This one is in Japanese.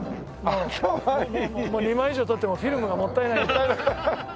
もう２枚以上撮ってもフィルムがもったいない。